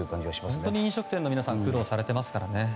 本当に飲食店の皆さん苦労されていますからね。